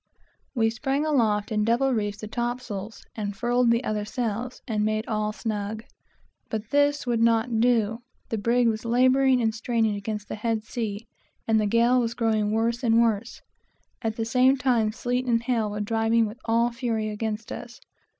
We sprang aloft and double reefed the topsails, and furled all the other sails, and made all snug. But this would not do; the brig was laboring and straining against the head sea, and the gale was growing worse and worse. At the same time the sleet and hail were driving with all fury against us.